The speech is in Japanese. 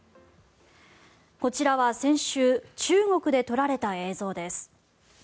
こちらは先週中国で撮られた映像です。